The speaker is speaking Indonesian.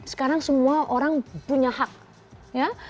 sekarang semua orang punya hak ya